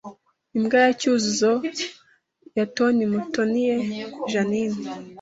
Imbwa ya Cyuzuzo yatonMutoniye Jeaninne